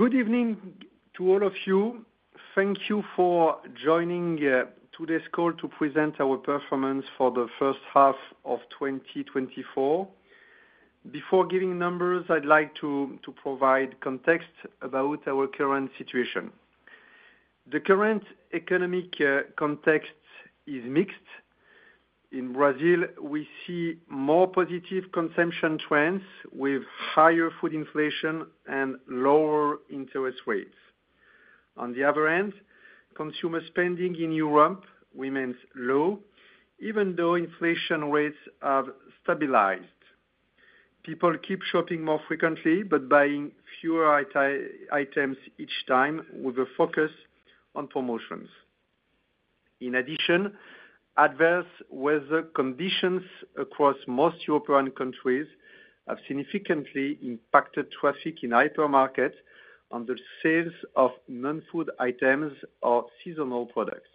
Good evening to all of you. Thank you for joining today's call to present our performance for the H1 of 2024. Before giving numbers, I'd like to provide context about our current situation. The current economic context is mixed. In Brazil, we see more positive consumption trends with higher food inflation and lower interest rates. On the other end, consumer spending in Europe remains low, even though inflation rates have stabilized. People keep shopping more frequently, but buying fewer items each time, with a focus on promotions. In addition, adverse weather conditions across most European countries have significantly impacted traffic in hypermarkets on the sales of non-food items or seasonal products.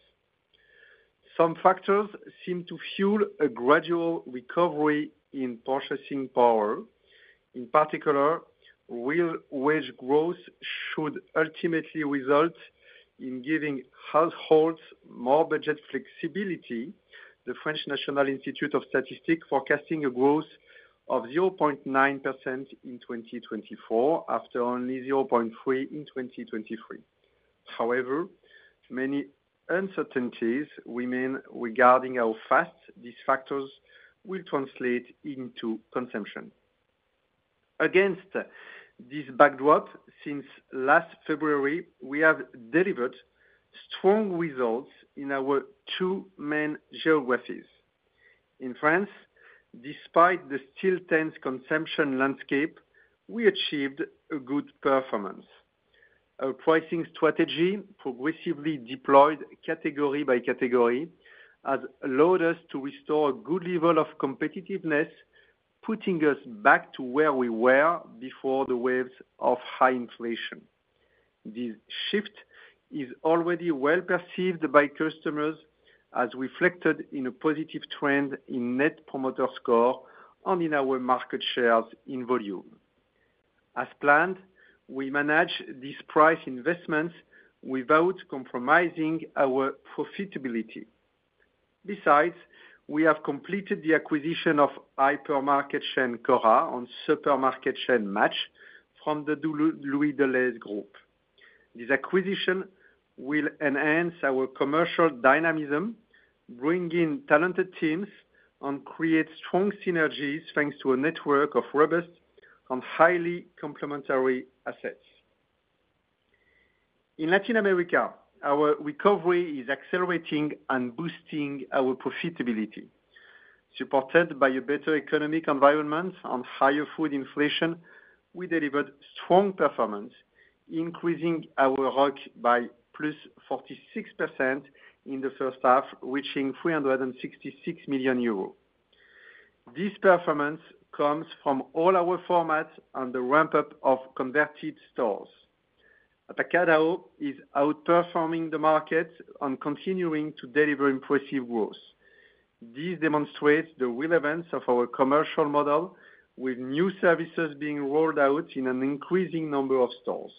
Some factors seem to fuel a gradual recovery in purchasing power. In particular, real wage growth should ultimately result in giving households more budget flexibility, the French National Institute of Statistics forecasting a growth of 0.9% in 2024, after only 0.3% in 2023. However, many uncertainties remain regarding how fast these factors will translate into consumption. Against this backdrop, since last February, we have delivered strong results in our two main geographies. In France, despite the still tense consumption landscape, we achieved a good performance. Our pricing strategy, progressively deployed category by category, has allowed us to restore a good level of competitiveness, putting us back to where we were before the waves of high inflation. This shift is already well perceived by customers, as reflected in a positive trend in Net Promoter Score and in our market shares in volume. As planned, we manage these price investments without compromising our profitability. Besides, we have completed the acquisition of hypermarket chain Cora and supermarket chain Match, from the Louis Delhaize Group. This acquisition will enhance our commercial dynamism, bring in talented teams, and create strong synergies, thanks to a network of robust and highly complementary assets. In Latin America, our recovery is accelerating and boosting our profitability. Supported by a better economic environment and higher food inflation, we delivered strong performance, increasing our ROC by +46% in the H1, reaching 366 million euros. This performance comes from all our formats and the ramp-up of converted stores. Atacadão is outperforming the market and continuing to deliver impressive growth. This demonstrates the relevance of our commercial model, with new services being rolled out in an increasing number of stores.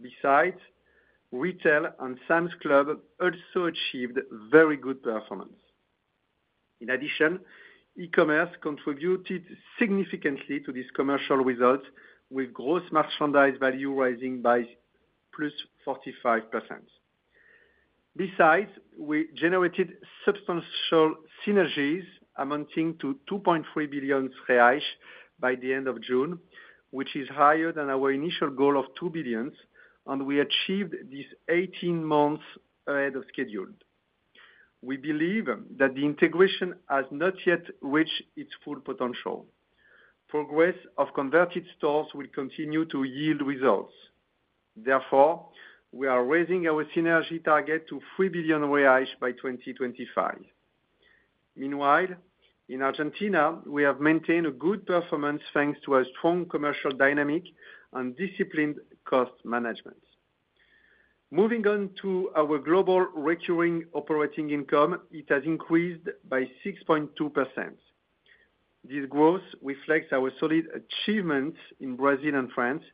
Besides, retail and Sam's Club also achieved very good performance. In addition, e-commerce contributed significantly to these commercial results, with gross merchandise value rising by +45%. Besides, we generated substantial synergies amounting to 2.3 billion reais by the end of June, which is higher than our initial goal of 2 billion, and we achieved this 18 months ahead of schedule. We believe that the integration has not yet reached its full potential. Progress of converted stores will continue to yield results. Therefore, we are raising our synergy target to 3 billion by 2025. Meanwhile, in Argentina, we have maintained a good performance thanks to a strong commercial dynamic and disciplined cost management. Moving on to our global recurring operating income, it has increased by 6.2%. This growth reflects our solid achievement in Brazil and France,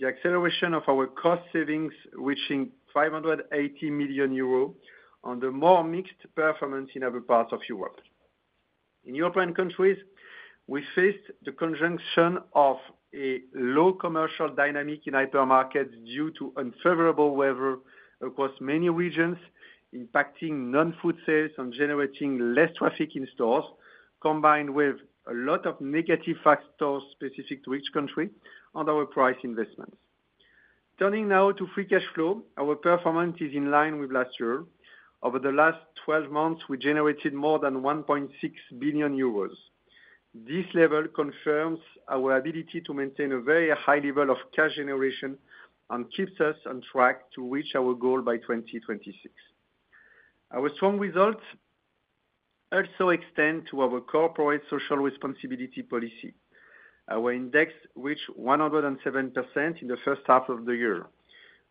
the acceleration of our cost savings reaching 580 million euros, on the more mixed performance in other parts of Europe. In European countries, we faced the conjunction of a low commercial dynamic in hypermarkets due to unfavorable weather across many regions, impacting non-food sales and generating less traffic in stores, combined with a lot of negative factors specific to each country and our price investments. Turning now to free cash flow, our performance is in line with last year. Over the last 12 months, we generated more than 1.6 billion euros. This level confirms our ability to maintain a very high level of cash generation and keeps us on track to reach our goal by 2026. Our strong results also extend to our corporate social responsibility policy. Our index reached 107% in the H1 of the year.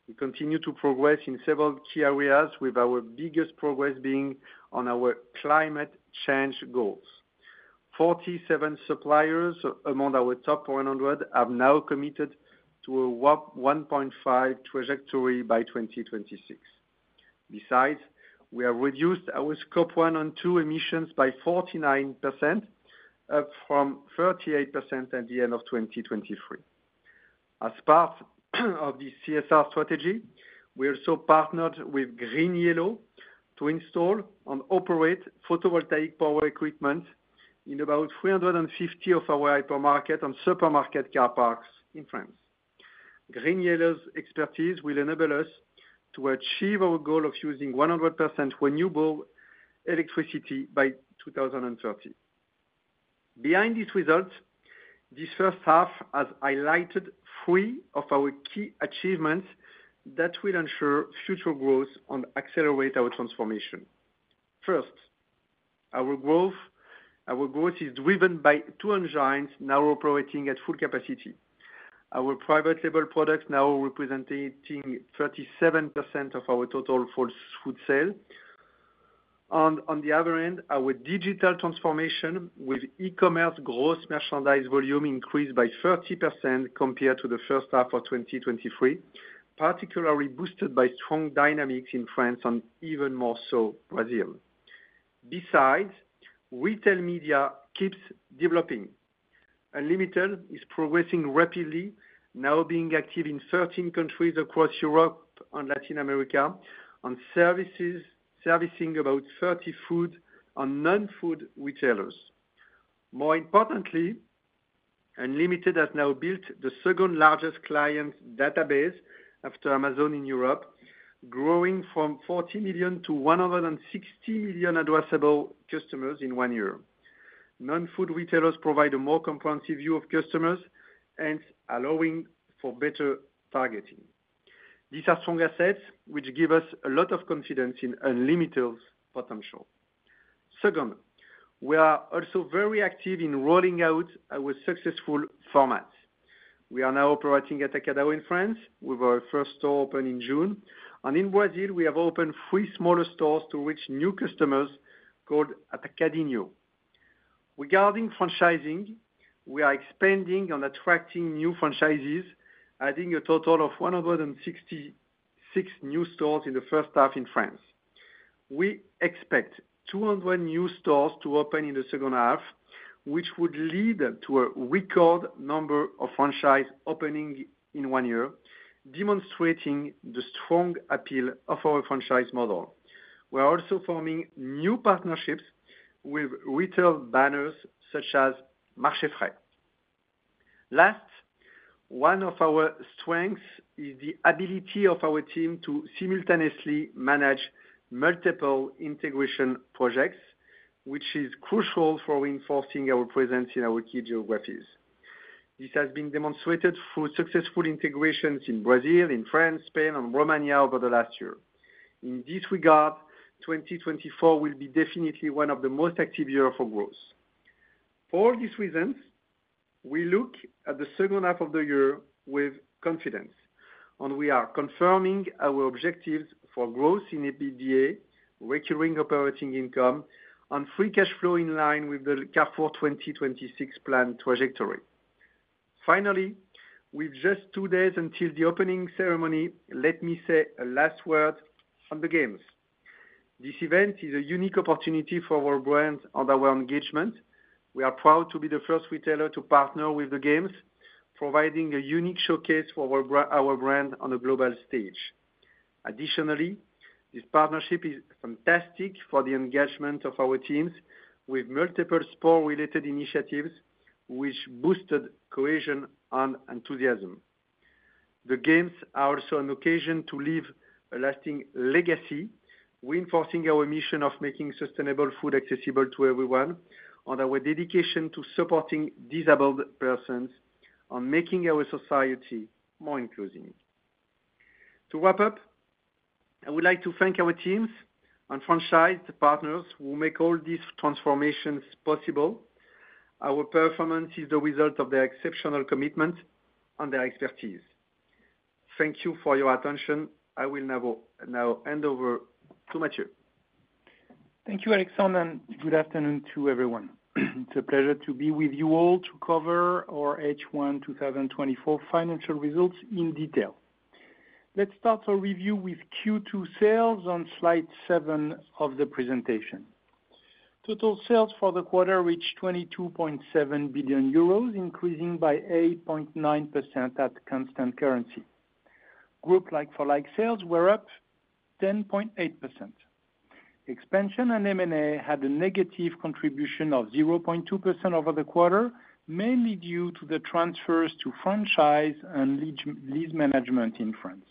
We continue to progress in several key areas, with our biggest progress being on our climate change goals. 47 suppliers among our top 100 have now committed to a 1.5 trajectory by 2026. Besides, we have reduced our Scope 1 and 2 emissions by 49%, up from 38% at the end of 2023. As part of the CSR strategy, we also partnered with GreenYellow to install and operate photovoltaic power equipment in about 350 of our hypermarket and supermarket car parks in France. GreenYellow's expertise will enable us to achieve our goal of using 100% renewable electricity by 2030. Behind this result, this H1 has highlighted three of our key achievements that will ensure future growth and accelerate our transformation. First, our growth, our growth is driven by two engines now operating at full capacity. Our private label products now representing 37% of our total full food sale. On, on the other end, our digital transformation with e-commerce, gross merchandise volume increased by 30% compared to the H1 of 2023, particularly boosted by strong dynamics in France and even more so, Brazil. Besides, retail media keeps developing. Unlimitail is progressing rapidly, now being active in 13 countries across Europe and Latin America, on services, servicing about 30 food and non-food retailers. More importantly, Unlimitail has now built the second largest client database after Amazon in Europe, growing from 40 million to 160 million addressable customers in one year. Non-food retailers provide a more comprehensive view of customers, hence allowing for better targeting. These are strong assets, which give us a lot of confidence in Unlimitail's potential. Second, we are also very active in rolling out our successful formats. We are now operating at Atacadão in France, with our first store opening in June. In Brazil, we have opened three smaller stores to reach new customers, called Atacadinho. Regarding franchising, we are expanding and attracting new franchises, adding a total of 166 new stores in the H1 in France. We expect 200 new stores to open in the H2, which would lead to a record number of franchise opening in one year, demonstrating the strong appeal of our franchise model. We are also forming new partnerships with retail banners such as Marché Frais. Last, one of our strengths is the ability of our team to simultaneously manage multiple integration projects, which is crucial for reinforcing our presence in our key geographies. This has been demonstrated through successful integrations in Brazil, in France, Spain, and Romania over the last year. In this regard, 2024 will be definitely one of the most active year for growth. For all these reasons, we look at the H2 of the year with confidence, and we are confirming our objectives for growth in EBITDA, recurring operating income, and free cash flow in line with the Carrefour 2026 plan trajectory. Finally, with just 2 days until the opening ceremony, let me say a last word on the Games. This event is a unique opportunity for our brands and our engagement. We are proud to be the first retailer to partner with the Games, providing a unique showcase for our brand on a global stage. Additionally, this partnership is fantastic for the engagement of our teams, with multiple sport-related initiatives, which boosted cohesion and enthusiasm. The Games are also an occasion to leave a lasting legacy, reinforcing our mission of making sustainable food accessible to everyone, and our dedication to supporting disabled persons, and making our society more inclusive. To wrap up, I would like to thank our teams and franchise partners who make all these transformations possible. Our performance is the result of their exceptional commitment and their expertise. Thank you for your attention. I will now hand over to Matthieu. Thank you, Alexandre, and good afternoon to everyone. It's a pleasure to be with you all to cover our H1 2024 financial results in detail. Let's start our review with Q2 sales on slide seven of the presentation. Total sales for the quarter reached 22.7 billion euros, increasing by 8.9% at constant currency. Group like-for-like sales were up 10.8%. Expansion and M&A had a negative contribution of 0.2% over the quarter, mainly due to the transfers to franchise and lease-back management in France.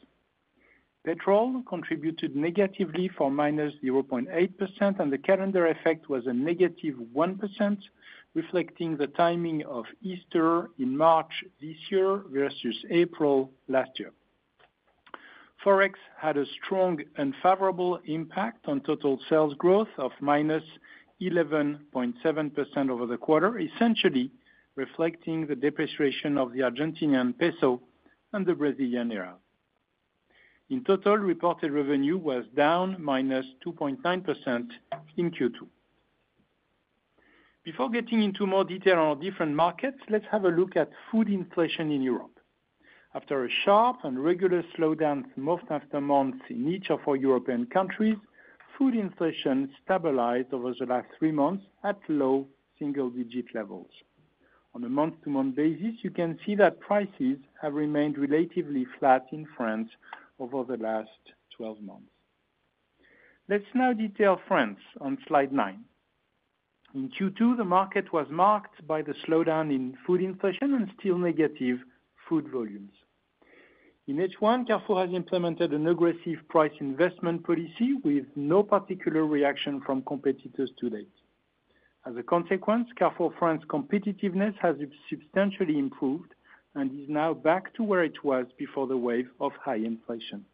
Petrol contributed negatively for -0.8%, and the calendar effect was a negative 1%, reflecting the timing of Easter in March this year versus April last year. Forex had a strong and favorable impact on total sales growth of -11.7% over the quarter, essentially reflecting the depreciation of the Argentine peso and the Brazilian real. In total, reported revenue was down -2.9% in Q2. Before getting into more detail on our different markets, let's have a look at food inflation in Europe. After a sharp and regular slowdown month after month in each of our European countries, food inflation stabilized over the last three months at low single-digit levels. On a month-to-month basis, you can see that prices have remained relatively flat in France over the last 12 months. Let's now detail France on Slide nine. In Q2, the market was marked by the slowdown in food inflation and still negative food volumes. In H1, Carrefour has implemented an aggressive price investment policy with no particular reaction from competitors to date. As a consequence, Carrefour France competitiveness has substantially improved and is now back to where it was before the wave of high inflation.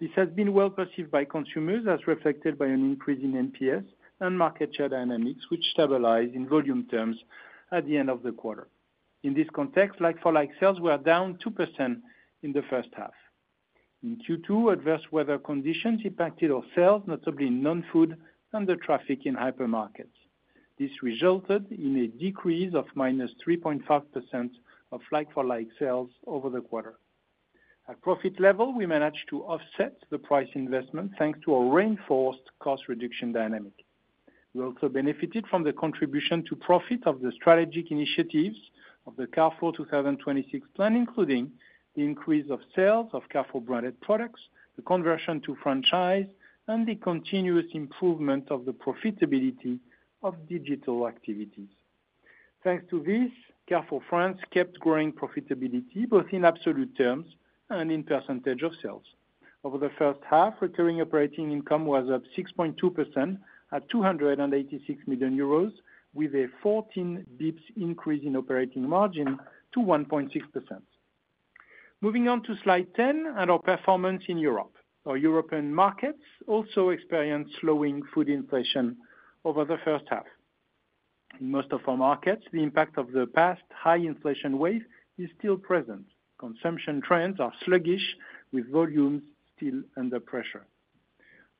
This has been well perceived by consumers, as reflected by an increase in NPS and market share dynamics, which stabilized in volume terms at the end of the quarter. In this context, like-for-like sales were down 2% in the H1. In Q2, adverse weather conditions impacted our sales, notably in non-food and the traffic in hypermarkets. This resulted in a decrease of -3.5% of like-for-like sales over the quarter. At profit level, we managed to offset the price investment, thanks to a reinforced cost reduction dynamic. We also benefited from the contribution to profit of the strategic initiatives of the Carrefour 2026 plan, including the increase of sales of Carrefour branded products, the conversion to franchise, and the continuous improvement of the profitability of digital activities. Thanks to this, Carrefour France kept growing profitability both in absolute terms and in percentage of sales. Over the H1, recurring operating income was up 6.2% at 286 million euros, with a 14 basis points increase in operating margin to 1.6%. Moving on to Slide 10 and our performance in Europe. Our European markets also experienced slowing food inflation over the H1. In most of our markets, the impact of the past high inflation wave is still present. Consumption trends are sluggish, with volumes still under pressure.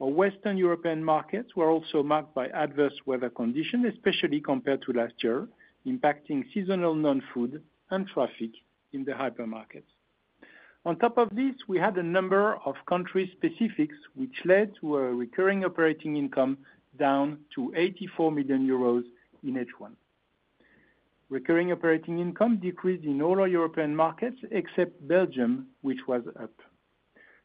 Our Western European markets were also marked by adverse weather conditions, especially compared to last year, impacting seasonal non-food and traffic in the hypermarkets. On top of this, we had a number of country specifics, which led to a recurring operating income down to 84 million euros in H1. Recurring operating income decreased in all our European markets except Belgium, which was up.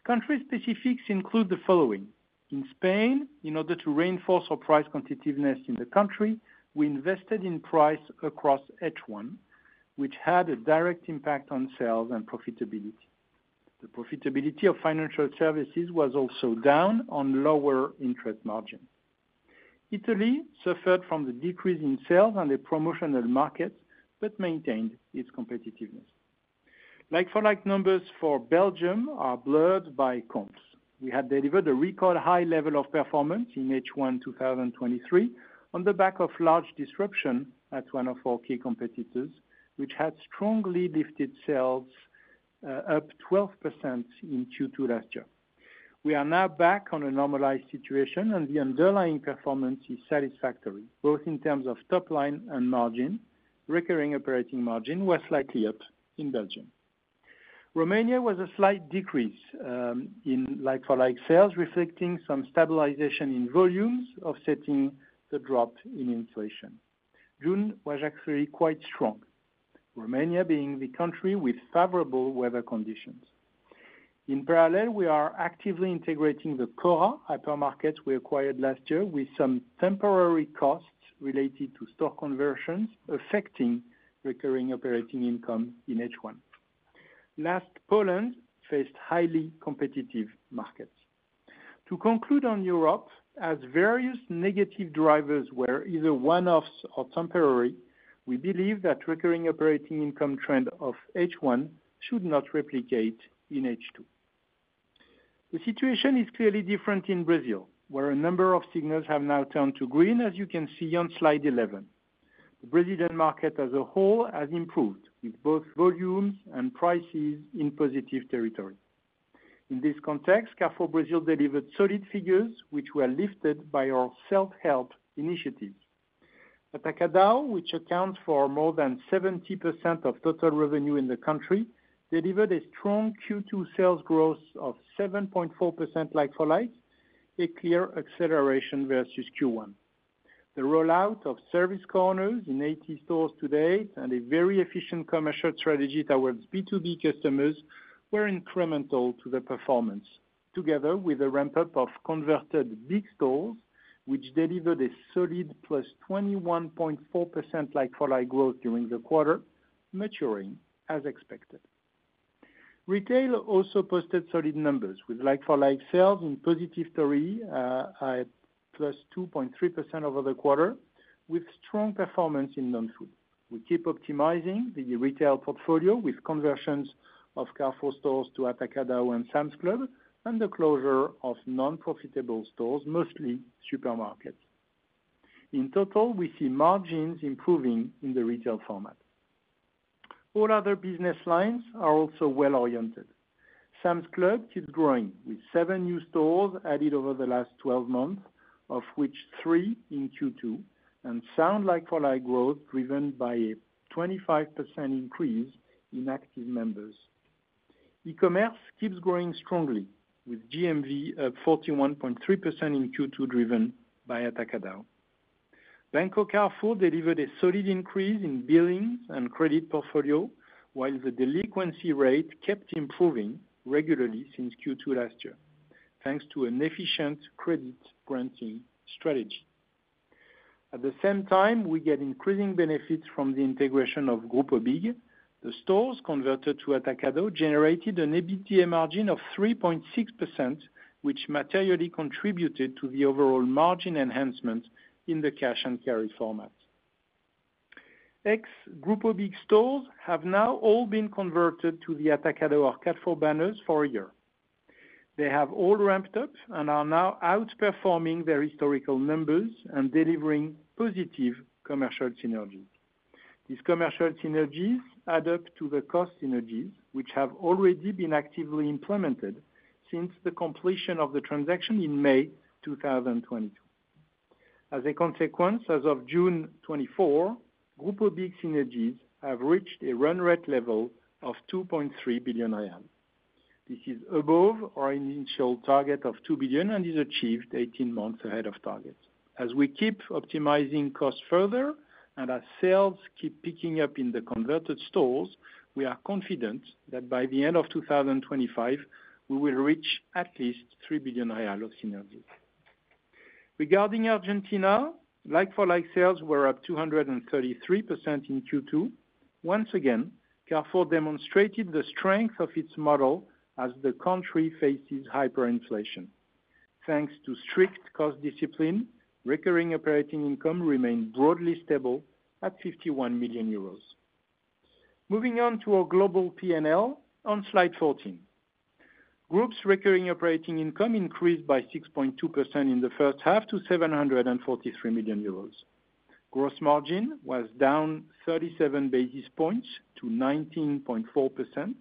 Country specifics include the following, in Spain, in order to reinforce our price competitiveness in the country, we invested in price across H1, which had a direct impact on sales and profitability. The profitability of financial services was also down on lower interest margin. Italy suffered from the decrease in sales and the promotional markets, but maintained its competitiveness. Like-for-like numbers for Belgium are blurred by comps. We had delivered a record high level of performance in H1 2023, on the back of large disruption at one of our key competitors, which had strongly lifted sales up 12% in Q2 last year. We are now back on a normalized situation and the underlying performance is satisfactory, both in terms of top line and margin. Recurring operating margin was slightly up in Belgium. Romania was a slight decrease in like-for-like sales, reflecting some stabilization in volumes, offsetting the drop in inflation. June was actually quite strong, Romania being the country with favorable weather conditions. In parallel, we are actively integrating the Cora hypermarkets we acquired last year, with some temporary costs related to stock conversions affecting recurring operating income in H1. Last, Poland faced highly competitive markets. To conclude on Europe, as various negative drivers were either one-offs or temporary, we believe that recurring operating income trend of H1 should not replicate in H2. The situation is clearly different in Brazil, where a number of signals have now turned to green, as you can see on Slide 11. The Brazilian market as a whole has improved, with both volumes and prices in positive territory. In this context, Carrefour Brazil delivered solid figures, which were lifted by our self-help initiatives. Atacadão, which accounts for more than 70% of total revenue in the country, delivered a strong Q2 sales growth of 7.4% like-for-like, a clear acceleration versus Q1. The rollout of service corners in 80 stores to date and a very efficient commercial strategy towards B2B customers were incremental to the performance, together with a ramp-up of converted big stores, which delivered a solid +21.4% like-for-like growth during the quarter, maturing as expected. Retail also posted solid numbers, with like-for-like sales in positive territory at +2.3% over the quarter, with strong performance in non-food. We keep optimizing the retail portfolio with conversions of Carrefour stores to Atacadão and Sam's Club, and the closure of non-profitable stores, mostly supermarkets. In total, we see margins improving in the retail format. All other business lines are also well-oriented. Sam's Club keeps growing, with 7 new stores added over the last 12 months, of which 3 in Q2, and sound like-for-like growth, driven by a 25% increase in active members. E-commerce keeps growing strongly, with GMV up 41.3% in Q2, driven by Atacadão. Banco Carrefour delivered a solid increase in billings and credit portfolio, while the delinquency rate kept improving regularly since Q2 last year, thanks to an efficient credit granting strategy. At the same time, we get increasing benefits from the integration of Grupo BIG. The stores converted to Atacadão generated an EBITDA margin of 3.6%, which materially contributed to the overall margin enhancement in the cash and carry format. Ex Grupo BIG stores have now all been converted to the Atacadão or Carrefour banners for a year. They have all ramped up and are now outperforming their historical numbers and delivering positive commercial synergies. These commercial synergies add up to the cost synergies, which have already been actively implemented since the completion of the transaction in May 2022. As a consequence, as of June 2024, Grupo BIG synergies have reached a run rate level of 2.3 billion. This is above our initial target of 2 billion and is achieved 18 months ahead of target. As we keep optimizing costs further and as sales keep picking up in the converted stores, we are confident that by the end of 2025, we will reach at least 3 billion real of synergies. Regarding Argentina, like-for-like sales were up 233% in Q2. Once again, Carrefour demonstrated the strength of its model as the country faces hyperinflation. Thanks to strict cost discipline, recurring operating income remained broadly stable at 51 million euros. Moving on to our global PNL on Slide 14. Group's recurring operating income increased by 6.2% in the H1 to 743 million euros. Gross margin was down 37 basis points to 19.4%.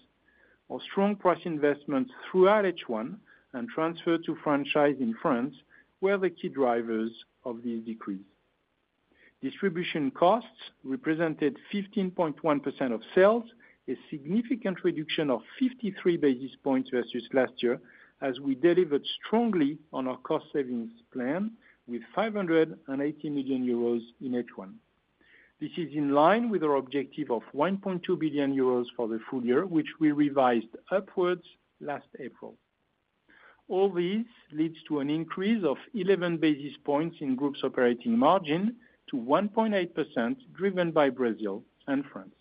Our strong price investments throughout H1 and transfer to franchise in France were the key drivers of this decrease. Distribution costs represented 15.1% of sales, a significant reduction of 53 basis points versus last year, as we delivered strongly on our cost savings plan with 580 million euros in H1. This is in line with our objective of 1.2 billion euros for the full year, which we revised upwards last April. All this leads to an increase of 11 basis points in group's operating margin to 1.8%, driven by Brazil and France.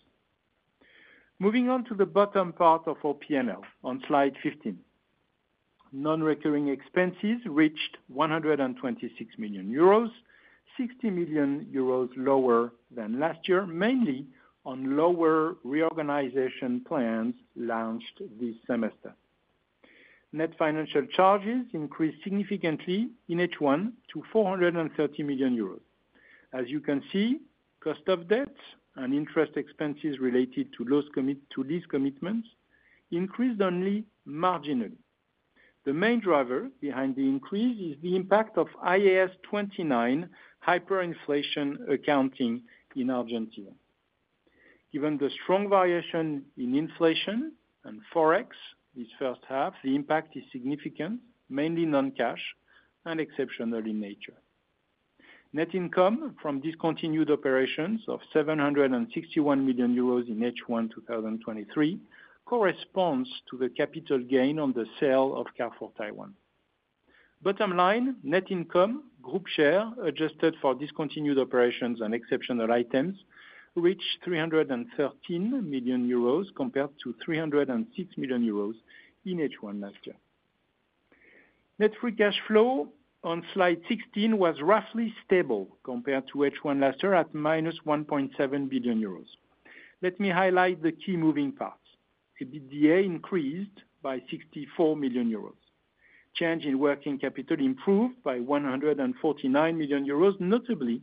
Moving on to the bottom part of our PNL on Slide 15. Non-recurring expenses reached 126 million euros, 60 million euros lower than last year, mainly on lower reorganization plans launched this semester. Net financial charges increased significantly in H1 to 430 million euros. As you can see, cost of debt and interest expenses related to lease commitments increased only marginally. The main driver behind the increase is the impact of IAS 29, hyperinflation accounting in Argentina. Given the strong variation in inflation and Forex this H1, the impact is significant, mainly non-cash and exceptional in nature. Net income from discontinued operations of 761 million euros in H1 2023 corresponds to the capital gain on the sale of Carrefour Taiwan. Bottom line, net income, group share, adjusted for discontinued operations and exceptional items, reached 313 million euros, compared to 306 million euros in H1 last year. Net free cash flow on Slide 16 was roughly stable compared to H1 last year, at -1.7 billion euros. Let me highlight the key moving parts. EBITDA increased by 64 million euros. Change in working capital improved by 149 million euros, notably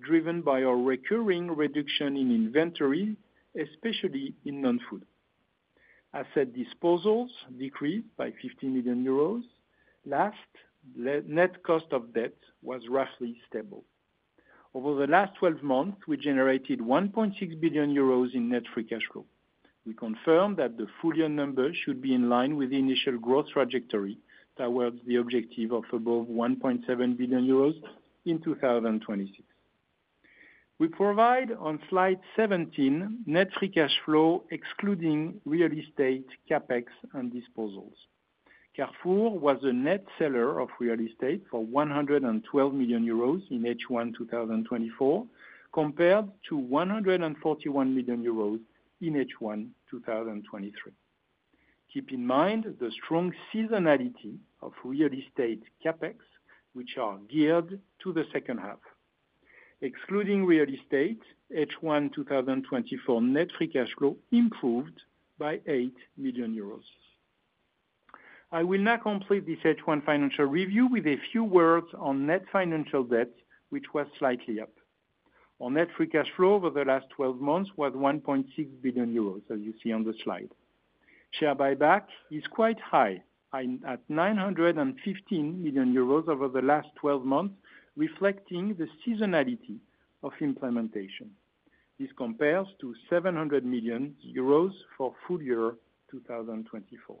driven by our recurring reduction in inventory, especially in non-food. Asset disposals decreased by 50 million euros. Last, net cost of debt was roughly stable. Over the last 12 months, we generated 1.6 billion euros in net free cash flow. We confirm that the full year numbers should be in line with the initial growth trajectory towards the objective of above 1.7 billion euros in 2026. We provide on Slide 17, net free cash flow, excluding real estate, CapEx, and disposals. Carrefour was a net seller of real estate for 112 million euros in H1 2024, compared to 141 million euros in H1 2023. Keep in mind the strong seasonality of real estate CapEx, which are geared to the H2. Excluding real estate, H1 2024, net free cash flow improved by 8 million euros. I will now complete this H1 financial review with a few words on net financial debt, which was slightly up. Our net free cash flow over the last 12 months was 1.6 billion euros, as you see on the slide. Share buyback is quite high, at 915 million euros over the last 12 months, reflecting the seasonality of implementation. This compares to 700 million euros for full year 2024.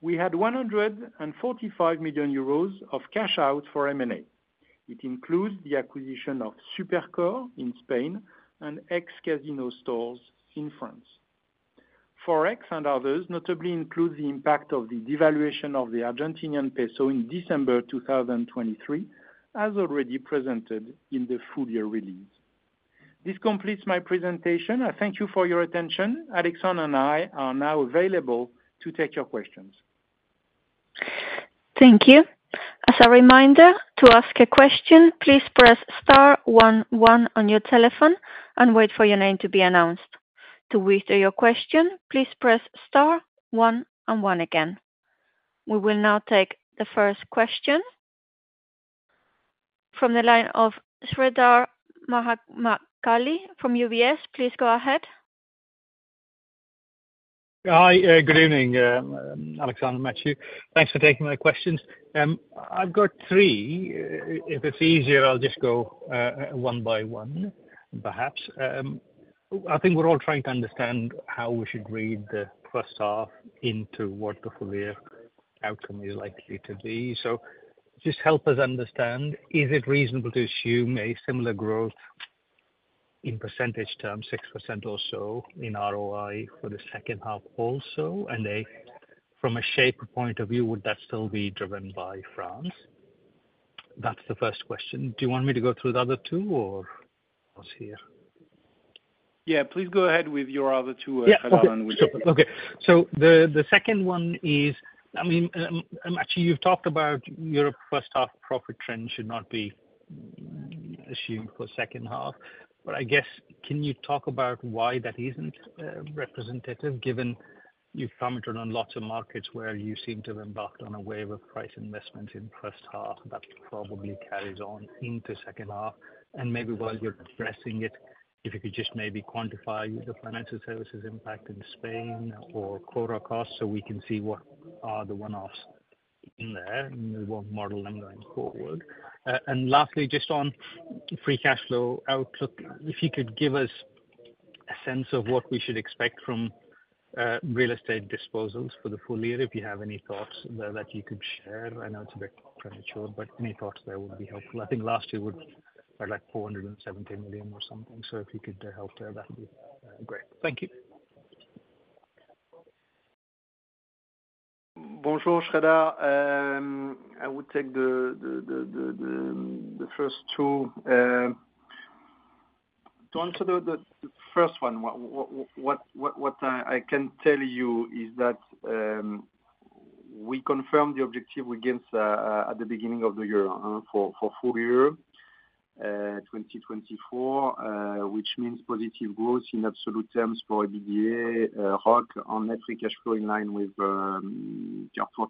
We had 145 million euros of cash out for M&A, which includes the acquisition of SuperCor in Spain and ex-Casino stores in France. Forex and others notably include the impact of the devaluation of the Argentine peso in December 2023, as already presented in the full year release. This completes my presentation. I thank you for your attention. Alexandre and I are now available to take your questions. Thank you. As a reminder, to ask a question, please press star one one on your telephone and wait for your name to be announced. To withdraw your question, please press star one and one again. We will now take the first question. From the line of Sreedhar Mahamkali from UBS. Please go ahead. Hi, good evening, Alexandre and Mathieu. Thanks for taking my questions. I've got three. If it's easier, I'll just go one by one, perhaps. I think we're all trying to understand how we should read the H1 into what the full year outcome is likely to be. So just help us understand, is it reasonable to assume a similar growth in percentage terms, 6% or so in ROI for the H2 also? And from a shape point of view, would that still be driven by France? That's the first question. Do you want me to go through the other two, or pause here? Yeah, please go ahead with your other two, and Alexandre will get to you. Yeah. Okay. So the second one is, I mean, actually, you've talked about your H1 profit trend should not be assumed for H2. But I guess, can you talk about why that isn't representative, given you've commented on lots of markets where you seem to have embarked on a wave of price investment in H1 that probably carries on into H2? And maybe while you're addressing it, if you could just maybe quantify the financial services impact in Spain or Cora costs, so we can see what are the one-offs in there, and we won't model them going forward. And lastly, just on free cash flow outlook, if you could give us a sense of what we should expect from real estate disposals for the full year, if you have any thoughts there that you could share. I know it's a bit premature, but any thoughts there would be helpful. I think last year was like 470 million or something. So if you could help there, that'd be great. Thank you. Bonjour, Sridhar. I would take the first two. To answer the first one, what I can tell you is that we confirmed the objective we gave at the beginning of the year for full year 2024, which means positive growth in absolute terms for EBITDA, ROI, on Net Free Cash Flow in line with Carrefour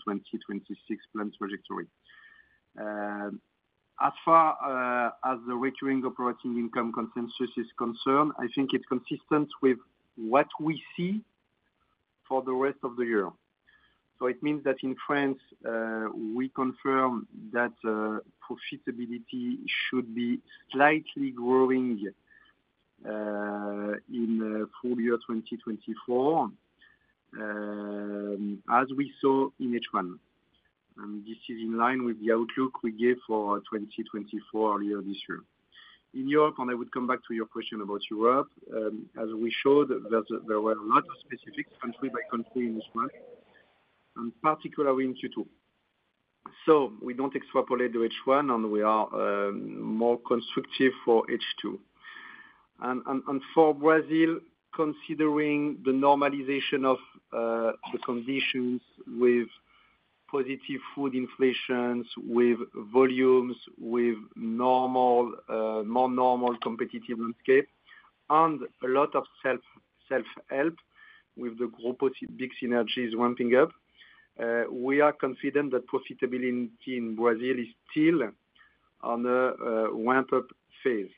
2026 plan trajectory. As far as the recurring operating income consensus is concerned, I think it's consistent with what we see for the rest of the year. So it means that in France, we confirm that profitability should be slightly growing in full year 2024, as we saw in H1. This is in line with the outlook we gave for 2024 earlier this year. In Europe, and I would come back to your question about Europe, as we showed, there were a lot of specifics, country by country in H1, and particularly in Q2. So we don't extrapolate to H1, and we are more constructive for H2. And for Brazil, considering the normalization of the conditions with positive food inflations, with volumes, with normal, more normal competitive landscape, and a lot of self-help with the Grupo BIG synergies ramping up, we are confident that profitability in Brazil is still on a ramp-up phase.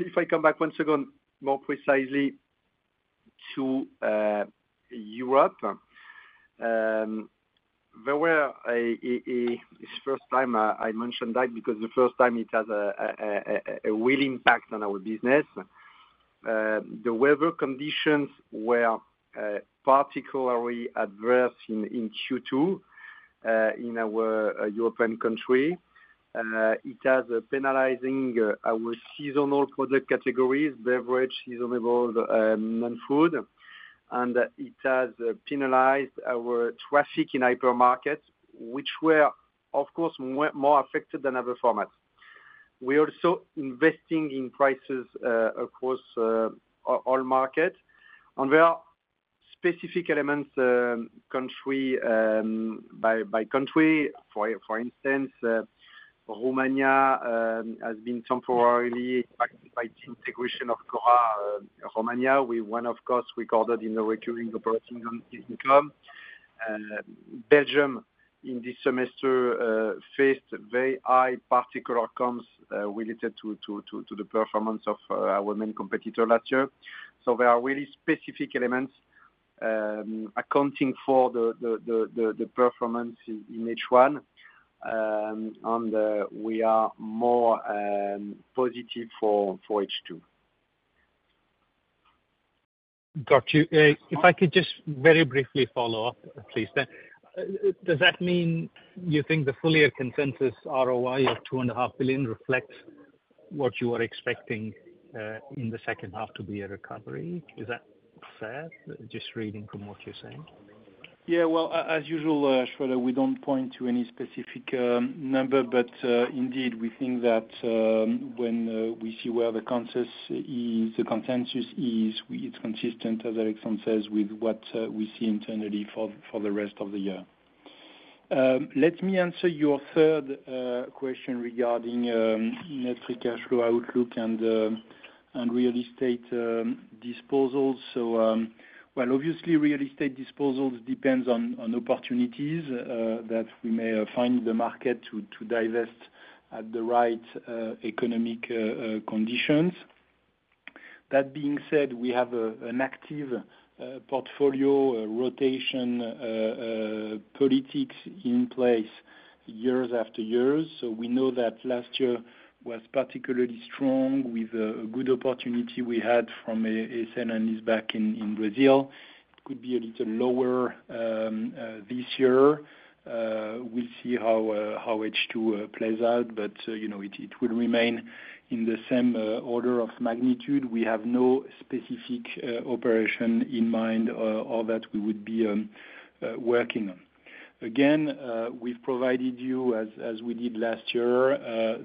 If I come back once again, more precisely to Europe, there were. It's first time I mention that, because the first time it has a real impact on our business. The weather conditions were particularly adverse in Q2 in our European country. It has penalizing our seasonal product categories, beverage, seasonable, and food. And it has penalized our traffic in hypermarket, which were, of course, more affected than other formats. We're also investing in prices across all market. And there are specific elements country. By country, for instance, Romania has been temporarily impacted by the integration of Cora, Romania, with one, of course, recorded in the recurring operating income. And Belgium, in this semester, faced very high particular outcomes, related to the performance of our main competitor last year. So there are really specific elements, accounting for the performance in H1. And we are more positive for H2. Got you. If I could just very briefly follow up, please, then. Does that mean you think the full year consensus ROI of 2.5 billion reflects what you are expecting, in the H2 to be a recovery? Is that fair, just reading from what you're saying? Yeah, well, as usual, Sreedhar, we don't point to any specific number. But, indeed, we think that, when we see where the consensus is, the consensus is, it's consistent, as Alexandre says, with what we see internally for the rest of the year. Let me answer your third question regarding net free cash flow outlook and real estate disposals. So, well, obviously, real estate disposals depends on opportunities that we may find the market to divest at the right economic conditions. That being said, we have an active portfolio rotation policy in place years after years. So we know that last year was particularly strong, with a good opportunity we had from an acquisition back in Brazil. Could be a little lower this year. We'll see how H2 plays out, but you know, it will remain in the same order of magnitude. We have no specific operation in mind, or that we would be working on. Again, we've provided you, as we did last year,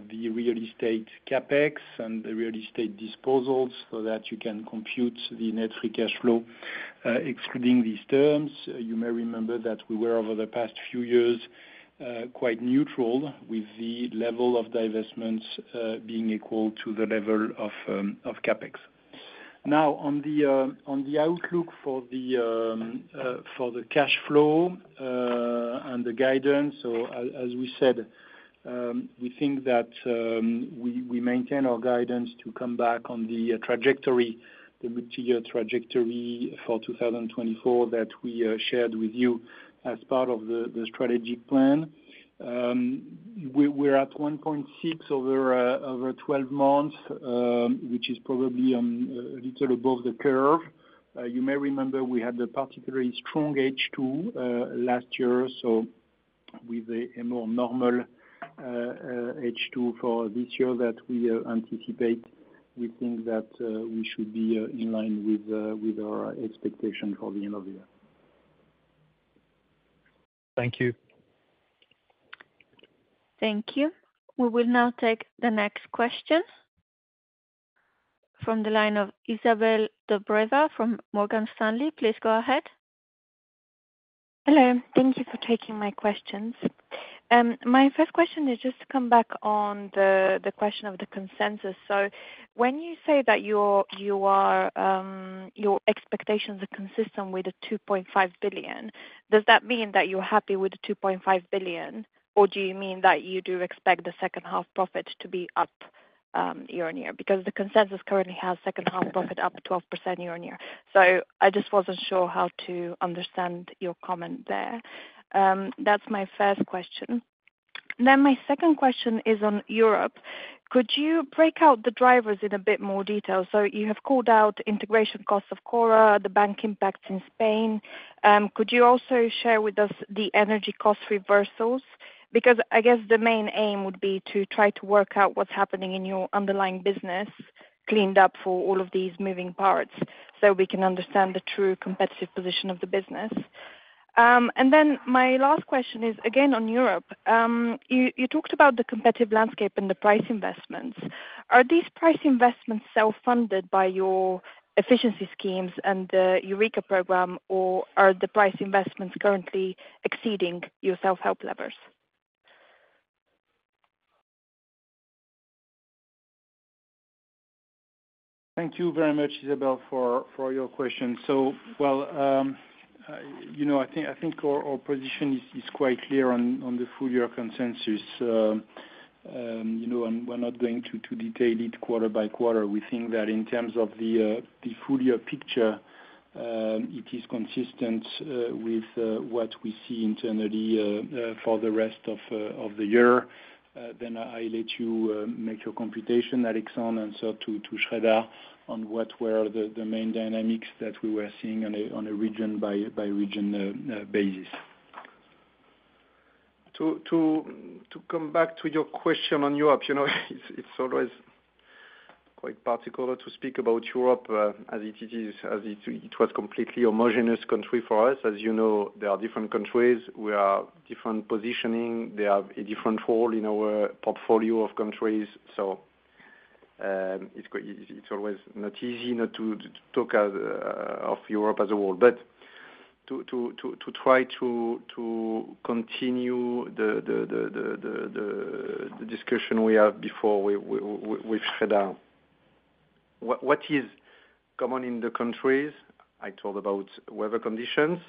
the real estate CapEx and the real estate disposals, so that you can compute the net free cash flow. Excluding these terms, you may remember that we were, over the past few years, quite neutral with the level of divestments, being equal to the level of CapEx. Now, on the outlook for the cash flow and the guidance, so as we said, we think that we maintain our guidance to come back on the trajectory, the multi-year trajectory for 2024 that we shared with you as part of the strategic plan. We're at 1.6 over 12 months, which is probably a little above the curve. You may remember we had a particularly strong H2 last year, so with a more normal H2 for this year that we anticipate, we think that we should be in line with our expectation for the end of the year. Thank you. Thank you. We will now take the next question from the line of Izabel Dobreva from Morgan Stanley. Please go ahead. Hello. Thank you for taking my questions. My first question is just to come back on the question of the consensus. So when you say that your expectations are consistent with the 2.5 billion, does that mean that you're happy with the 2.5 billion, or do you mean that you do expect the H2 profit to be up year-over-year? Because the consensus currently has H2 profit up 12% year-over-year. So I just wasn't sure how to understand your comment there. That's my first question. Then my second question is on Europe. Could you break out the drivers in a bit more detail? So you have called out integration costs of Cora, the bank impacts in Spain. Could you also share with us the energy cost reversals? Because I guess the main aim would be to try to work out what's happening in your underlying business, cleaned up for all of these moving parts, so we can understand the true competitive position of the business. And then my last question is, again, on Europe. You talked about the competitive landscape and the price investments. Are these price investments self-funded by your efficiency schemes and the Eureca program, or are the price investments currently exceeding your self-help levels? Thank you very much, Izabel, for your questions. So, well, you know, I think our position is quite clear on the full year consensus. You know, and we're not going to detail it quarter by quarter. We think that in terms of the full year picture, it is consistent with what we see internally for the rest of the year. Then I'll let you make your computation, Alexandre, and so to Schroeder, on what were the main dynamics that we were seeing on a region by region basis. To come back to your question on Europe, you know, it's always quite particular to speak about Europe, as it is, as it was completely homogeneous country for us. As you know, there are different countries. We are different positioning. They have a different role in our portfolio of countries, so- It's quite, it's always not easy not to talk as of Europe as a whole, but to try to continue the discussion we had before with Frederick. What is common in the countries? I talked about weather conditions.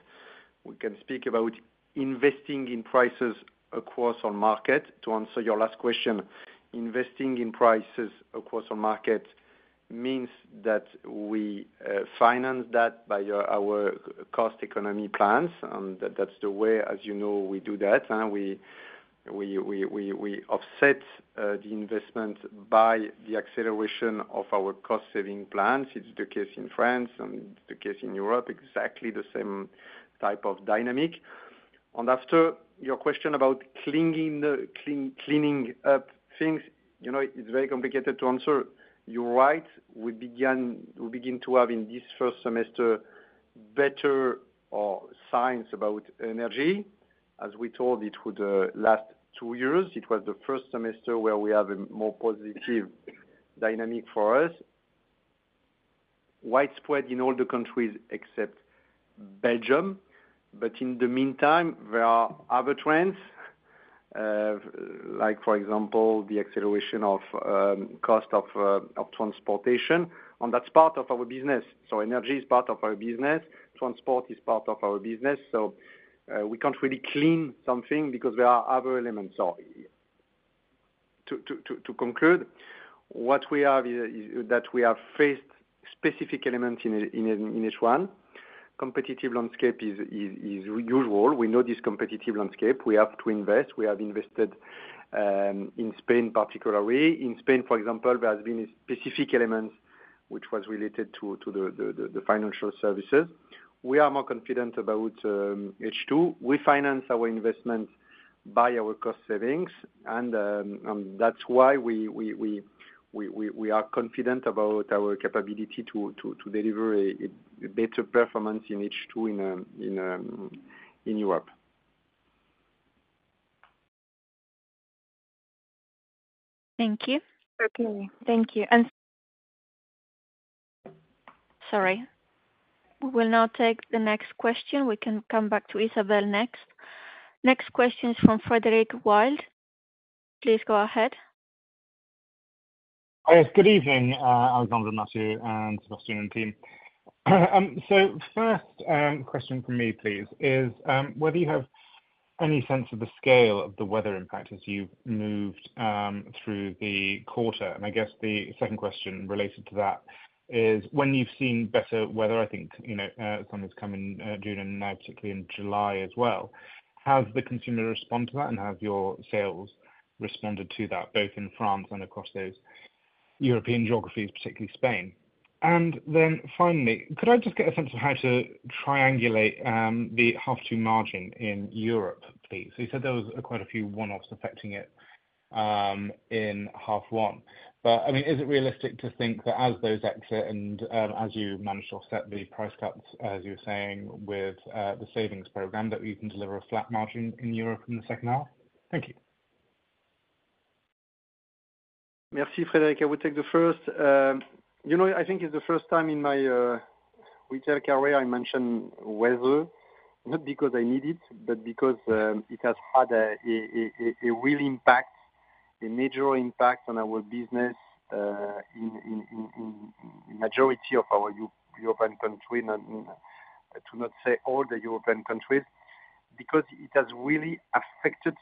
We can speak about investing in prices across our market. To answer your last question, investing in prices across our market means that we finance that by our cost economy plans, and that's the way, as you know, we do that. And we offset the investment by the acceleration of our cost saving plans. It's the case in France and the case in Europe, exactly the same type of dynamic. After your question about cleaning up things, you know, it's very complicated to answer. You're right, we began, we begin to have in this first semester, better, or signs about energy. As we told it with the last two years, it was the first semester where we have a more positive dynamic for us, widespread in all the countries except Belgium. But in the meantime, there are other trends, like for example, the acceleration of cost of of transportation, and that's part of our business. So energy is part of our business, transport is part of our business, so we can't really clean something because there are other elements. So to conclude, what we have is that we have faced specific elements in each one. Competitive landscape is usual. We know this competitive landscape. We have to invest. We have invested in Spain, particularly. In Spain, for example, there has been a specific element which was related to the financial services. We are more confident about H2. We finance our investments by our cost savings, and that's why we are confident about our capability to deliver a better performance in H2 in Europe. Thank you. Okay, thank you. And - sorry. We will now take the next question. We can come back to Izabel next. Next question is from Frederick Wild. Please go ahead. Yes, good evening, Alexandre Mathieu and Sebastian and team. So first, question from me, please, is, whether you have any sense of the scale of the weather impact as you've moved, through the quarter? And I guess the second question related to that is, when you've seen better weather, I think, you know, sun is coming, June and now particularly in July as well, has the consumer responded to that? And have your sales responded to that, both in France and across those European geographies, particularly Spain? And then finally, could I just get a sense of how to triangulate, the half two margin in Europe, please? So you said there was quite a few one-offs affecting it, in half one. But, I mean, is it realistic to think that as those exit and, as you manage or set the price cuts, as you're saying, with, the savings program, that we can deliver a flat margin in Europe in the H2? Thank you. Merci, Frederick. I will take the first. You know, I think it's the first time in my retail career I mention weather, not because I need it, but because it has had a real impact, a major impact on our business in majority of our European countries, and to not say all the European countries, because it has really affected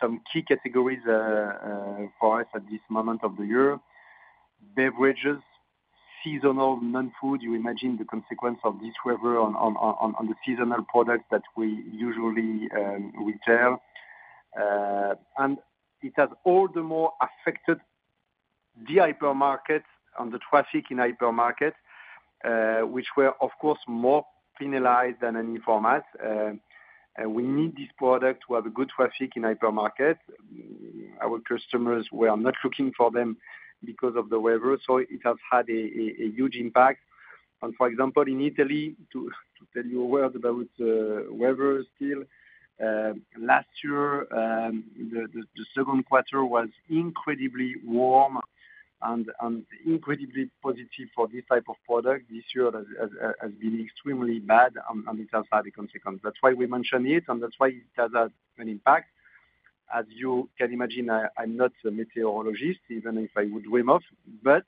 some key categories for us at this moment of the year. Beverages, seasonal non-food, you imagine the consequence of this weather on the seasonal products that we usually retail. And it has all the more affected the hypermarket and the traffic in hypermarket, which were of course, more penalized than any format. And we need this product to have a good traffic in hypermarket. Our customers were not looking for them because of the weather, so it has had a huge impact. For example, in Italy, to tell you a word about weather still, last year, the Q2 was incredibly warm and incredibly positive for this type of product. This year has been extremely bad, and it has had a consequence. That's why we mention it, and that's why it has had an impact. As you can imagine, I'm not a meteorologist, even if I would dream of, but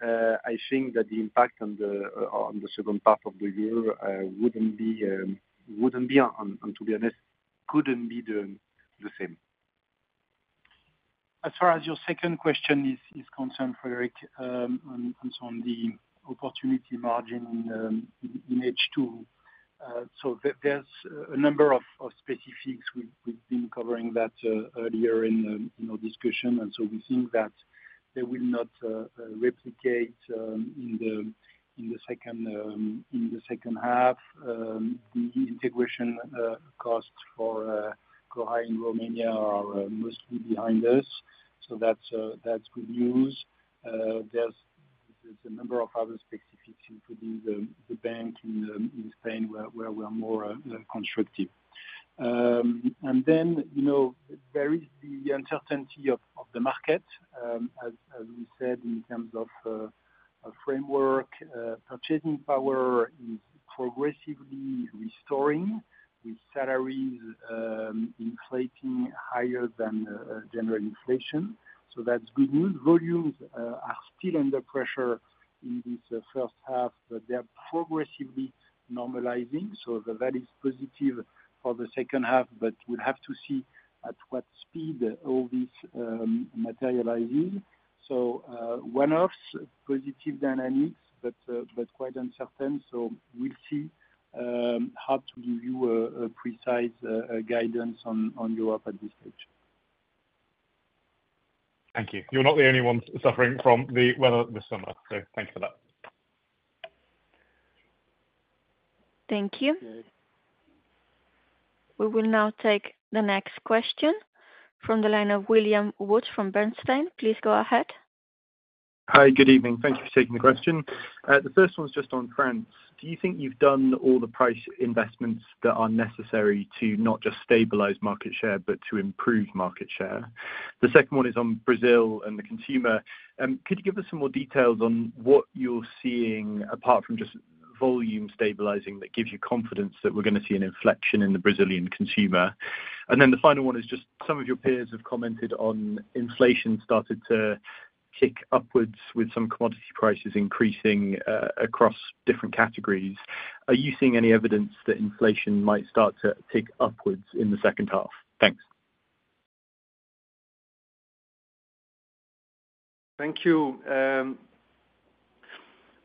I think that the impact on the H2 of the year wouldn't be, and to be honest, couldn't be the same. As far as your second question is concerned, Frederick, on the opportunity margin in H2, so there's a number of specifics we've been covering that earlier in the, you know, discussion, and so we think that they will not replicate in the H2. The integration costs for Cora in Romania are mostly behind us, so that's good news. There's- There's a number of other specifics, including the bank in Spain, where we're more constructive. And then, you know, there is the uncertainty of the market, as we said, in terms of a framework. Purchasing power is progressively restoring with salaries inflating higher than general inflation. So that's good news. Volumes are still under pressure in this H1, but they're progressively normalizing, so that is positive for the H2, but we'll have to see at what speed all this materializing. So, one-offs, positive dynamics, but quite uncertain. So we'll see how to give you a precise guidance on Europe at this stage. Thank you. You're not the only ones suffering from the weather this summer, so thank you for that. Thank you. We will now take the next question from the line of William Woods from Bernstein. Please go ahead. Hi, good evening. Thank you for taking the question. The first one is just on France. Do you think you've done all the price investments that are necessary to not just stabilize market share, but to improve market share? The second one is on Brazil and the consumer. Could you give us some more details on what you're seeing, apart from just volume stabilizing, that gives you confidence that we're gonna see an inflection in the Brazilian consumer? And then the final one is just, some of your peers have commented on inflation started to tick upwards with some commodity prices increasing, across different categories. Are you seeing any evidence that inflation might start to tick upwards in the H2? Thanks. Thank you.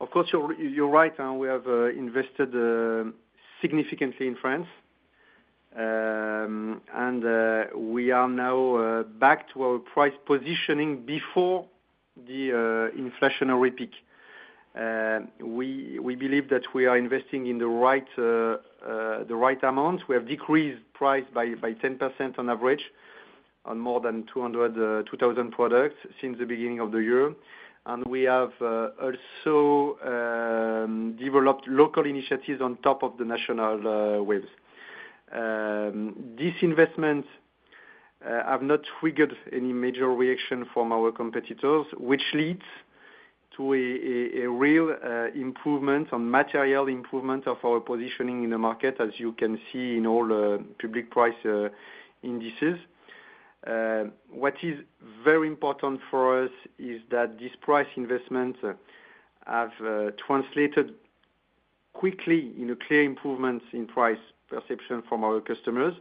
Of course, you're right, and we have invested significantly in France. We are now back to our price positioning before the inflationary peak. We believe that we are investing in the right amount. We have decreased price by 10% on average, on more than 2000 products since the beginning of the year. We have also developed local initiatives on top of the national waves. These investments have not triggered any major reaction from our competitors, which leads to a real material improvement of our positioning in the market, as you can see in all the public price indices. What is very important for us is that these price investments have translated quickly into clear improvements in price perception from our customers,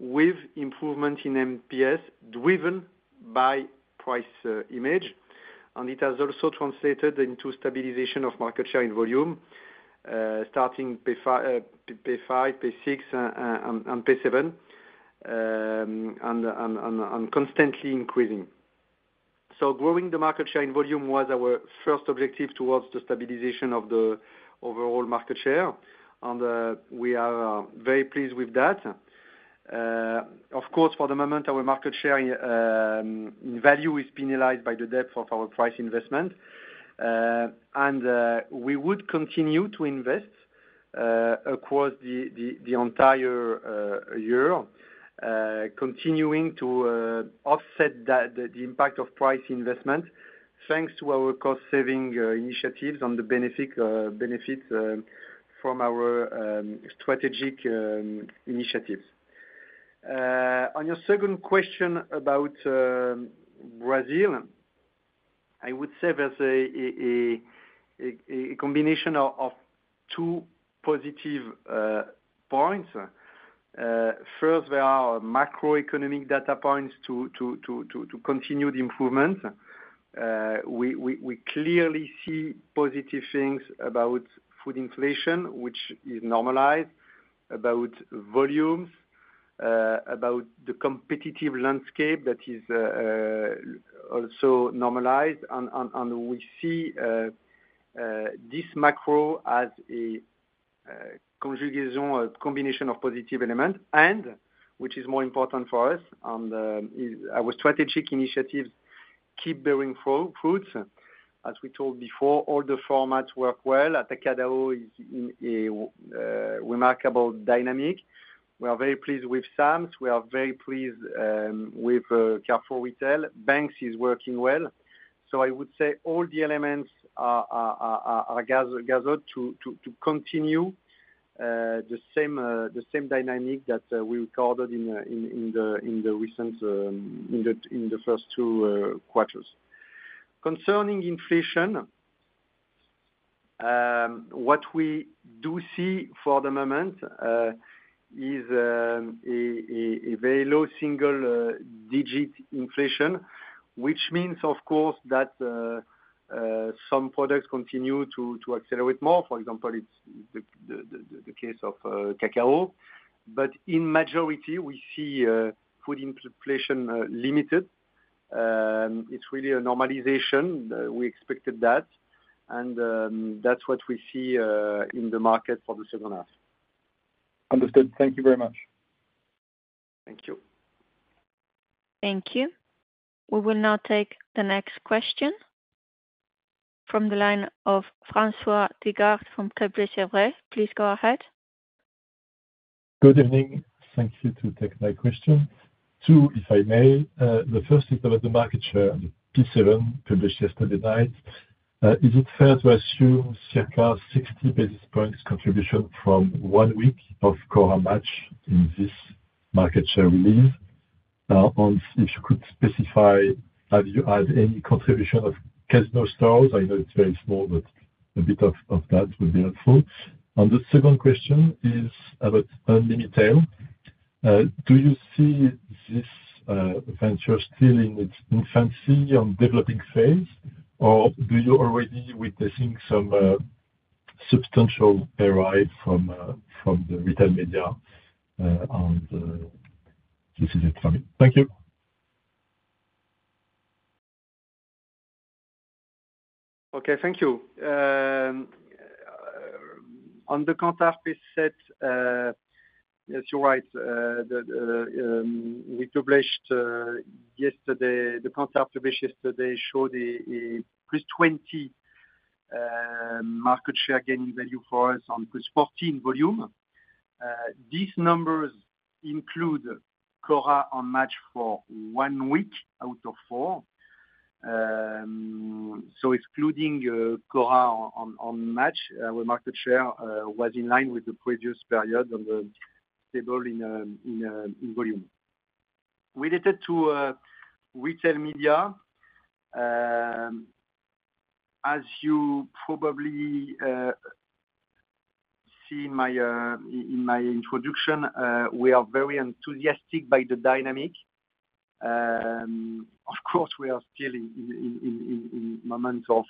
with improvement in NPS, driven by price image. And it has also translated into stabilization of market share and volume, starting P5, P6, and P7 and constantly increasing. So growing the market share and volume was our first objective towards the stabilization of the overall market share. And we are very pleased with that. Of course, for the moment, our market share value is penalized by the depth of our price investment. And we would continue to invest across the entire year. Continuing to offset the impact of price investment, thanks to our cost saving initiatives on the benefits from our strategic initiatives. On your second question about Brazil, I would say there's a combination of two positive points. First, there are macroeconomic data points to continue the improvement. We clearly see positive things about food inflation, which is normalized, about volumes, about the competitive landscape that is also normalized. And we see this macro as a configuration or combination of positive elements, and which is more important for us, is our strategic initiatives keep bearing fruits. As we told before, all the formats work well. Atacadão is in a remarkable dynamic. We are very pleased with Sam's. We are very pleased with Carrefour retail. Banks is working well. So I would say all the elements are gathered to continue the same dynamic that we recorded in the recent first two quarters. Concerning inflation, what we do see for the moment is a very low single digit inflation, which means, of course, that some products continue to accelerate more. For example, it's the case of cacao. But in majority, we see food inflation limited. It's really a normalization, we expected that, and that's what we see in the market for the H2. Understood. Thank you very much. Thank you. Thank you. We will now take the next question from the line of François Digard from Kepler Cheuvreux. Please go ahead. Good evening. Thank you to take my question. Two, if I may. The first is about the market share, P7, published yesterday night. Is it fair to assume circa 60 basis points contribution from one week of Cora Match in this market share release? If you could specify, have you had any contribution of Casino stores? I know it's very small, but a bit of that would be helpful. And the second question is about Unlimitail. Do you see this venture still in its infancy, on developing phase, or do you already witnessing some substantial revenue from the retail media, on the... This is it for me. Thank you! Okay, thank you. On the Kantar set, yes, you're right. We published yesterday. The Kantar yesterday showed a +20 market share gaining value for us on +14 volume. These numbers include Cora and Match for one week out of four. So excluding Cora and Match, our market share was in line with the previous period on the table in volume. Related to retail media, as you probably see in my introduction, we are very enthusiastic by the dynamic. Of course, we are still in moments of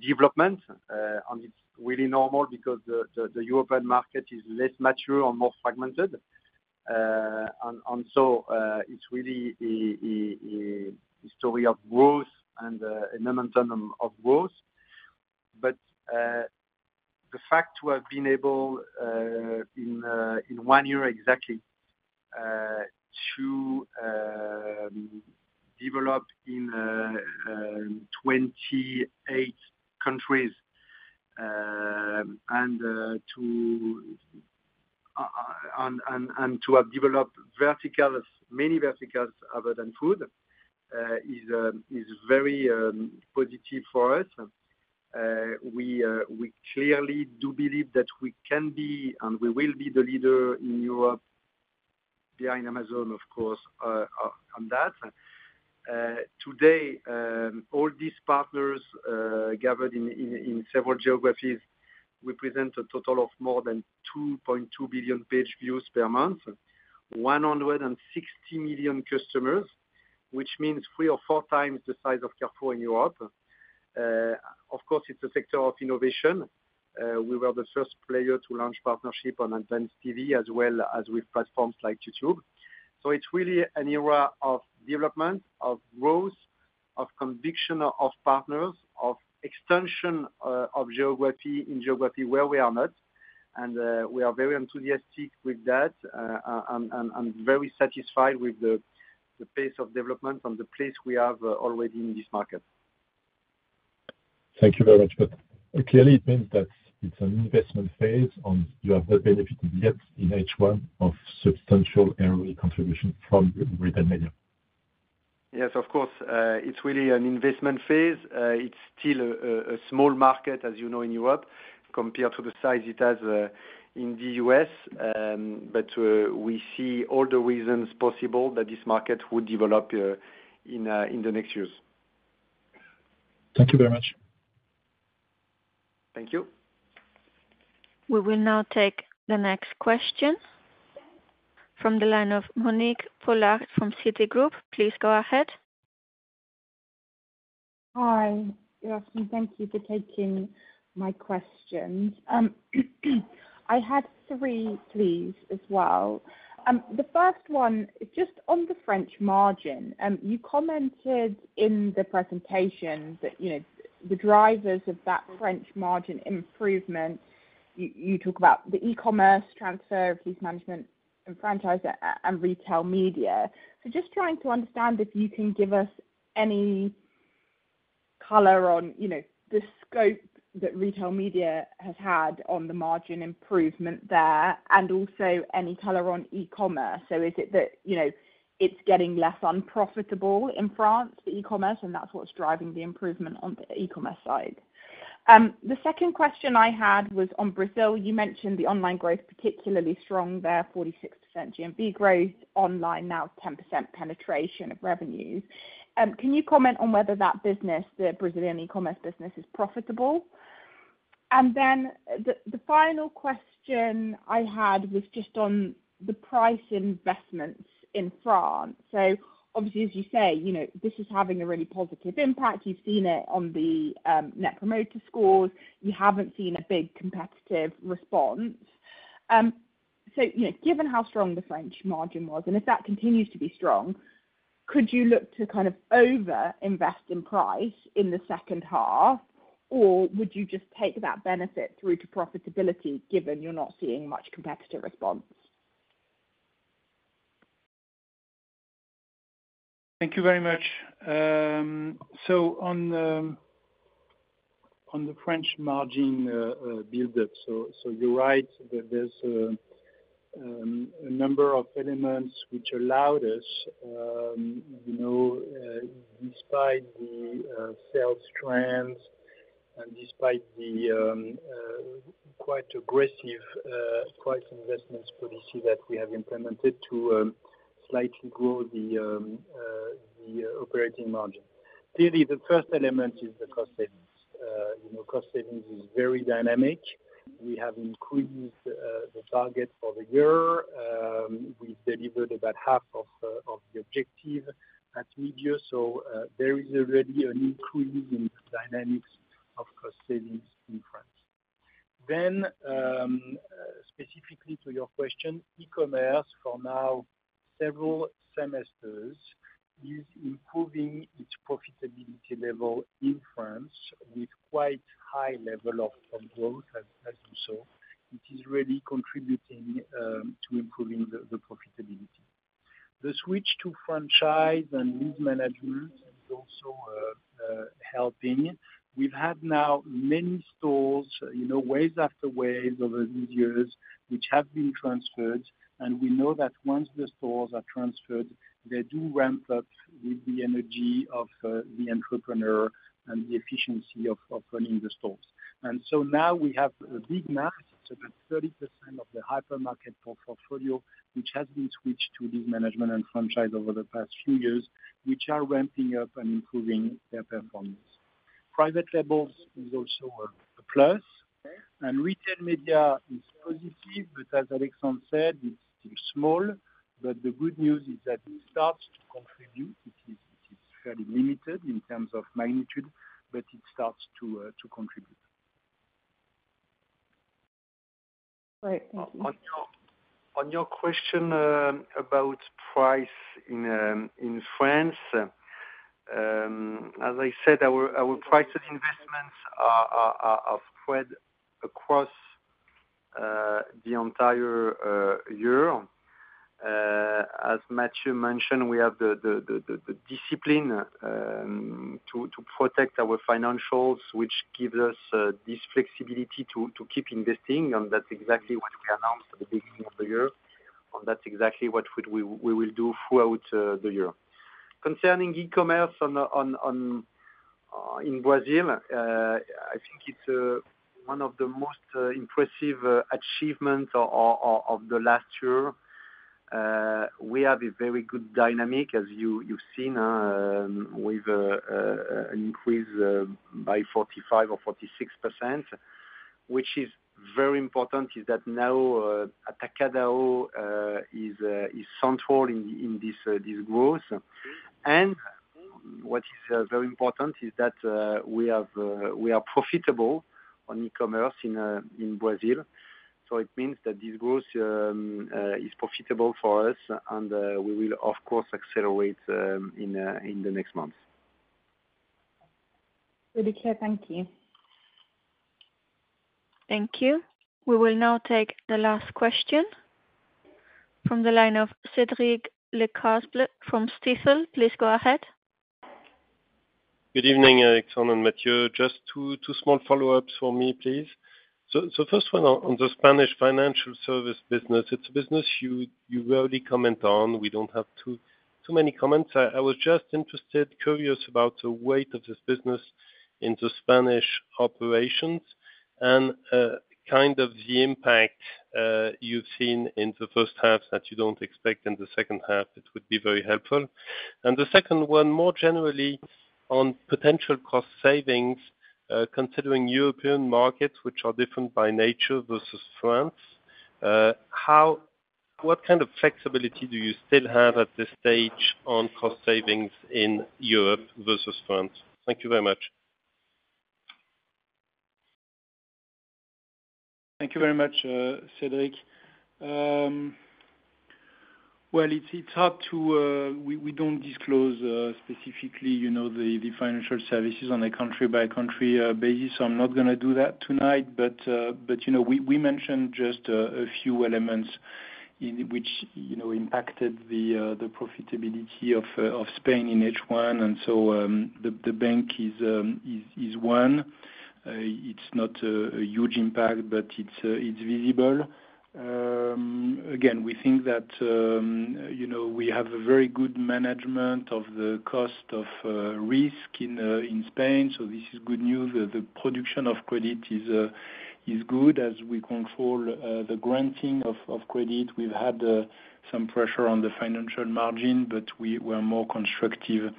development, and it's really normal because the European market is less mature and more fragmented. So, it's really a story of growth and a momentum of growth. But the fact we have been able in one year exactly to develop in 28 countries and to have developed verticals, many verticals other than food, is very positive for us. We clearly do believe that we can be, and we will be the leader in Europe, behind Amazon, of course, on that. Today, all these partners gathered in several geographies represent a total of more than 2.2 billion page views per month, 160 million customers, which means three or four times the size of Carrefour in Europe. Of course, it's a sector of innovation. We were the first player to launch partnership on Orange TV, as well as with platforms like YouTube. It's really an era of development, of growth, of conviction of partners, of extension, of geography, in geography where we are not. We are very enthusiastic with that, and very satisfied with the pace of development and the place we have already in this market. Thank you very much. But it clearly means that it's an investment phase, and you have not benefited yet in H1 of substantial early contribution from retail media. Yes, of course, it's really an investment phase. It's still a small market, as you know, in Europe, compared to the size it has in the US. But we see all the reasons possible that this market will develop in the next years. Thank you very much. Thank you. We will now take the next question from the line of Monique Pollard from Citigroup. Please go ahead. Hi, good afternoon. Thank you for taking my questions. I had three, please, as well. The first one, just on the French margin, you commented in the presentation that, you know, the drivers of that French margin improvement, you talk about the e-commerce, transfer, lease management, and franchiser, and retail media. So just trying to understand if you can give us any color on, you know, the scope that retail media has had on the margin improvement there, and also any color on e-commerce. So is it that, you know, it's getting less unprofitable in France, the e-commerce, and that's what's driving the improvement on the e-commerce side? The second question I had was on Brazil. You mentioned the online growth, particularly strong there, 46% GMV growth online, now 10% penetration of revenues. Can you comment on whether that business, the Brazilian e-commerce business, is profitable? Then the final question I had was just on the price investments in France. So obviously, as you say, you know, this is having a really positive impact. You've seen it on the net promoter scores. You haven't seen a big competitive response. So, you know, given how strong the French margin was, and if that continues to be strong? Could you look to kind of over invest in price in the H2? Or would you just take that benefit through to profitability, given you're not seeing much competitive response? Thank you very much. So on the French margin build-up, so you're right that there's a number of elements which allowed us, you know, despite the sales trends and despite the quite aggressive price investments policy that we have implemented to slightly grow the operating margin. Clearly, the first element is the cost savings. You know, cost savings is very dynamic. We have increased the target for the year. We've delivered about half of the objective at midyear, so there is already an increase in the dynamics of cost savings in France. Then, specifically to your question, e-commerce for now, several semesters, is improving its profitability level in France with quite high level of growth as also, which is really contributing to improving the profitability. The switch to franchise and lease management is also helping. We've had now many stores, you know, waves after waves over the years, which have been transferred, and we know that once the stores are transferred, they do ramp up with the energy of the entrepreneur and the efficiency of running the stores. And so now we have a big mark, so that 30% of the hypermarket portfolio, which has been switched to this management and franchise over the past few years, which are ramping up and improving their performance. Private labels is also a plus, and retail media is positive, but as Alexandre said, it's still small, but the good news is that it starts to contribute. It is fairly limited in terms of magnitude, but it starts to contribute. Right. On your question about prices in France. As I said, our prices investments are spread across the entire year. As Mathieu mentioned, we have the discipline to protect our financials, which gives us this flexibility to keep investing, and that's exactly what we announced at the beginning of the year, and that's exactly what we will do throughout the year. Concerning e-commerce in Brazil, I think it's one of the most impressive achievements of the last year. We have a very good dynamic as you've seen, with an increase by 45% or 46%, which is very important, that now Atacadão is central in this growth. And what is very important is that we are profitable on e-commerce in Brazil, so it means that this growth is profitable for us, and we will, of course, accelerate in the next months. Very clear. Thank you. Thank you. We will now take the last question from the line of Cedric Lecasble from Stifel. Please go ahead. Good evening, Alexandre and Mathieu. Just two small follow-ups for me, please. So first one on the Spanish financial service business. It's a business you rarely comment on, we don't have too many comments. I was just interested, curious about the weight of this business in the Spanish operations and kind of the impact you've seen in the H1 that you don't expect in the H2. It would be very helpful. And the second one, more generally on potential cost savings, considering European markets, which are different by nature versus France, how... What kind of flexibility do you still have at this stage on cost savings in Europe versus France? Thank you very much. Thank you very much, Cedric. Well, it's hard to, we don't disclose specifically, you know, the financial services on a country-by-country basis, so I'm not gonna do that tonight. But, you know, we mentioned just a few elements in which, you know, impacted the profitability of Spain in H1. And so, the bank is one. It's not a huge impact, but it's visible. Again, we think that, you know, we have a very good management of the cost of risk in Spain, so this is good news. The production of credit is good as we control the granting of credit. We've had some pressure on the financial margin, but we were more constructive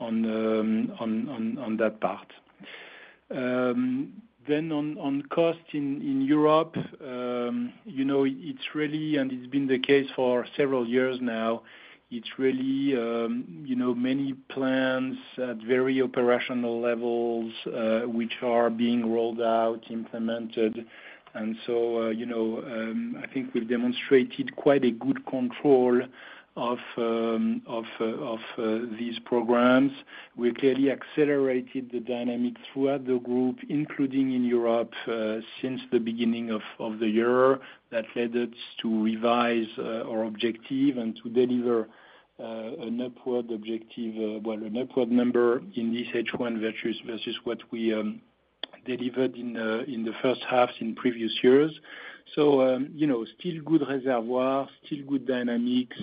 on that part. Then on cost in Europe, you know, it's really, and it's been the case for several years now, it's really, you know, many plans at very operational levels, which are being rolled out, implemented. And so, you know, I think we've demonstrated quite a good control of these programs. We clearly accelerated the dynamic throughout the group, including in Europe, since the beginning of the year. That led us to revise our objective and to deliver an upward objective, well, an upward number in this H1 versus what we delivered in the H1 in previous years. So, you know, still good reservoir, still good dynamics.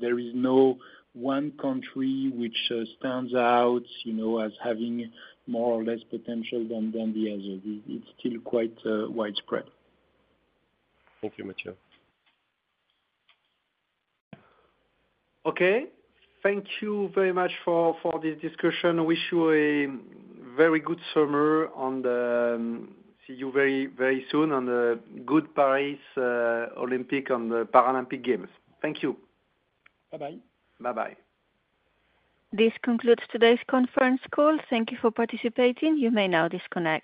There is no one country which stands out, you know, as having more or less potential than the other. It's still quite widespread. Thank you, Mathieu. Okay. Thank you very much for this discussion. Wish you a very good summer, and see you very, very soon on the good Paris Olympic and the Paralympic Games. Thank you. Bye-bye. Bye-bye. This concludes today's conference call. Thank you for participating. You may now disconnect.